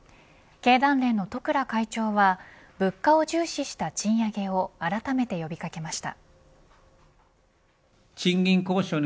経団連の十倉会長は物価を重視した賃上げをあらためて呼び掛けました。